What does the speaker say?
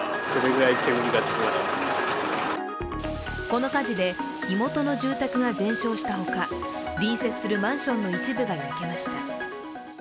この火事で火元の住宅が全焼したほか隣接するマンションの一部が焼けました。